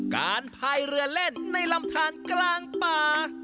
พายเรือเล่นในลำทานกลางป่า